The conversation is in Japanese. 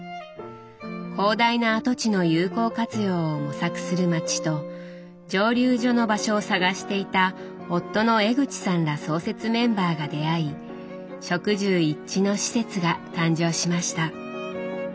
広大な跡地の有効活用を模索する町と蒸留所の場所を探していた夫の江口さんら創設メンバーが出会い職住一致の施設が誕生しました。